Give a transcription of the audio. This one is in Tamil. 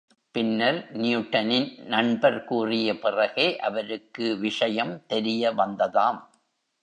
பின்னர், நியூட்டனின் நண்பர் கூறிய பிறகே அவருக்கு விஷயம் தெரிய வந்ததாம்.